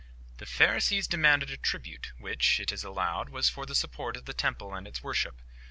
"The Pharisees demanded a tribute, which, it is allowed, was for the support of the temple and its worship.